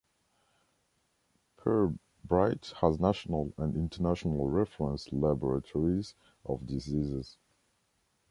Pirbright has National and International Reference Laboratories of diseases.